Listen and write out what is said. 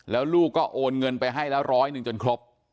แล้วลูกก็โอนเงินไปให้ละร้อยหนึ่งจนครบ